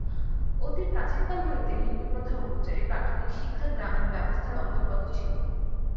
অতি প্রাচীনকাল হইতে হিন্দুপ্রথা-অনুযায়ী প্রাথমিক শিক্ষা গ্রামীণ ব্যবস্থার অন্তর্গত ছিল।